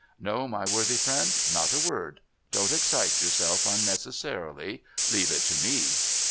' No, my worthy friend, not a word. Don't excite j'ourself un necessarily; leave it to me.'